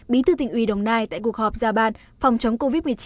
bí tư tỉnh uy đồng nai tại cuộc họp gia ban phòng chống covid một mươi chín